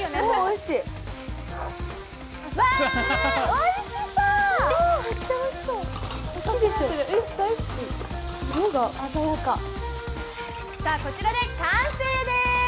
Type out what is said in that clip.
さあこちらで完成です！